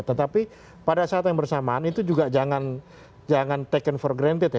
tetapi pada saat yang bersamaan itu juga jangan taken for granted ya